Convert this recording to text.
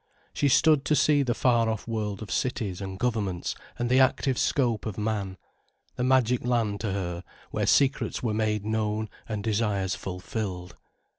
She stood to see the far off world of cities and governments and the active scope of man, the magic land to her, where secrets were made known and desires fulfilled.